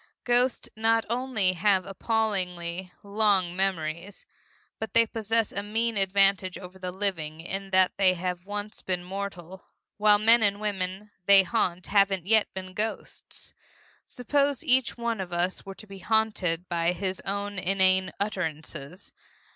Ghosts not only have appallingly long memories, but they possess a mean advantage over the living in that they have once been mortal, while the men and women they haunt haven't yet been ghosts. Suppose each one of us were to be haunted by his own inane utterances?